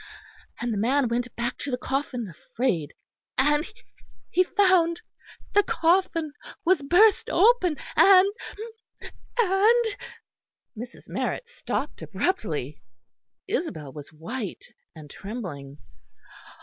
And the man went back to the coffin afraid; and he found the coffin was burst open, and and " Mrs. Marrett stopped abruptly. Isabel was white and trembling.